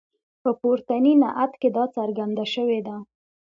په پورتني نعت کې دا څرګنده شوې ده.